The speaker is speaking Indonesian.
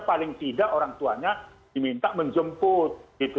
paling tidak orang tuanya diminta menjemput